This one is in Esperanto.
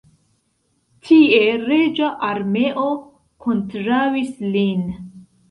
Tie reĝa armeo kontraŭis lin.